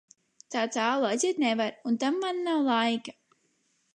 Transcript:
Tā tālu aiziet nevar, un tam man nav laika.